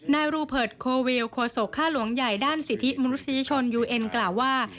นายรูเผิร์ดโควิลโคศกค่าหลวงใหญ่ด้านสิทธิมนุษยชนยูเอ็นกล่าวว่า